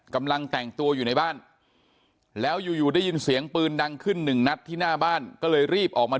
กำลังแต่งตัวอยู่ในบ้านแล้วอยู่ได้ยินเสียงปืนดังขึ้นหนึ่งนัดที่หน้าบ้านก็เลยรีบออกมา